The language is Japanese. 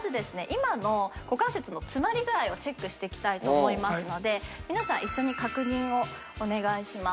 今の股関節のつまり具合をチェックしていきたいと思いますので皆さん一緒に確認をお願いします。